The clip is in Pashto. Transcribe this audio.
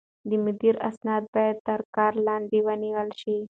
د مدير اسناد بايد تر کار لاندې ونيول شي.